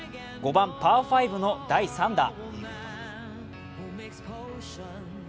５番パー５の第３打。